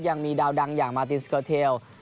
ยังมีดาวดังอย่างมาตินสเกอร์เทล